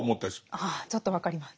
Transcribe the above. ああちょっと分かります。